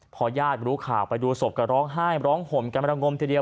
พอญาติรู้ข่าวไปดูศพก็ร้องไห้ร้องห่มกันมาระงมทีเดียว